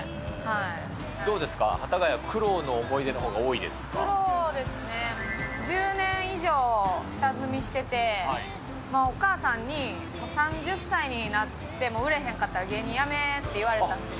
どうですか、幡ヶ谷、苦労のそうですね、１０年以上下積みしてて、お母さんに、３０歳になっても売れへんかったら芸人辞めって言われてたんです